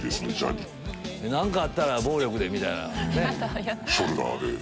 何かあったら暴力でみたいな。